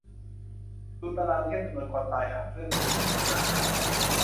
ดูตารางเทียบจำนวนคนตายหากเลือกกลุ่มฉีดต่างกัน